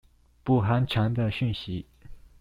不寒蟬的訊息